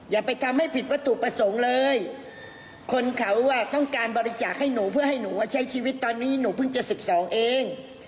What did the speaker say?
อย่าไปทำให้ผิดวัตถุประสงค์เลยคนเขาต้องการบริจาคให้หนูเพื่อให้หนูใช้ชีวิตตอนนี้หนูเพิ่งจะ๑๒เอง